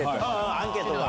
アンケートが。